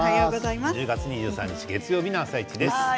１０月２３日月曜日の「あさイチ」です。